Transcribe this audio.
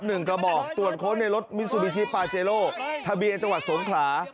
กระบอกตรวจค้นในรถมิซูบิชิปาเจโลทะเบียนจังหวัดสงขลา